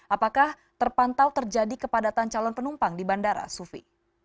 apakah terpantau terjadi kepadatan calon penumpang di bandara sufi